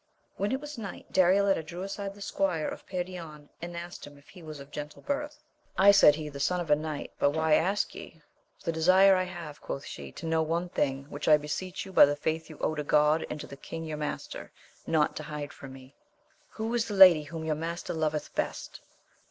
When it was night Darioleta drew aside the squire of Perion, and asked him if he was of gentle birth. Aye, said he, the son of a knight ! but why ask ye 1 For the desire I have, quoth she, to know one thing, which I beseech you by the faith you owe to God and to the king your master, not to hide from me. Who 6 AMADIS OF GAUL. is the lady whom your master loveth best?